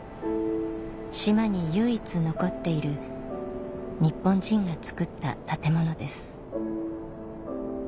島に唯一残っている日本人が造った建物です